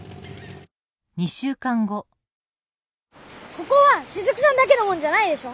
ここはしずくさんだけのもんじゃないでしょ。